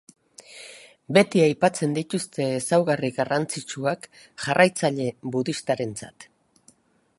Beti aipatzen dituzte ezaugarri garrantzitsuak jarraitzaile budistarentzat.